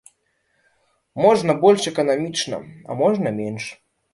Можна больш эканамічна, а можна менш.